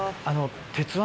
『鉄腕！